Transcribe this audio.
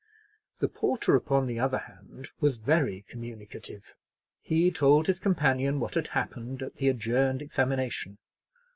The porter, upon the other hand, was very communicative. He told his companion what had happened at the adjourned examination.